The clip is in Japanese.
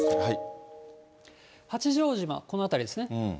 八丈島、この辺りですね。